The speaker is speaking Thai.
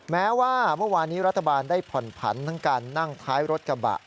แม้ว่าเมื่อวานนี้รัฐบาลได้ผ่อนผันทั้งการนั่งท้ายรถกระบะ